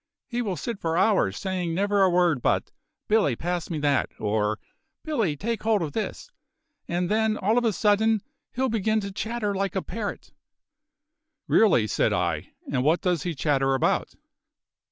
He will sit for hours, saying never a word but: `Billy, pass me that,' or `Billy, take hold of this,' and then all of a sudden he'll begin to chatter like a parrot." "Really!" said I. "And what does he chatter about?"